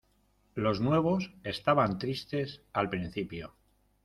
los nuevos estaban tristes al principio.